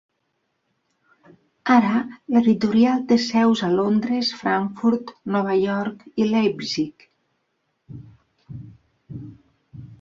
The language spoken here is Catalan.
Ara l'editorial té seus a Londres, Frankfurt, Nova York i Leipzig.